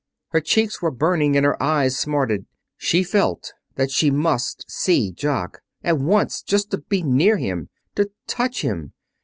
Her cheeks were burning and her eyes smarted. She felt that she must see Jock. At once. Just to be near him. To touch him.